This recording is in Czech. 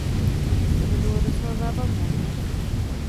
To by bylo docela zábavné, ne?